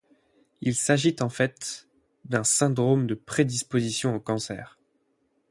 Il s'agit en fait d'un syndrome de prédisposition au cancer.